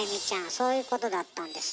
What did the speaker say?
そういうことだったんですって。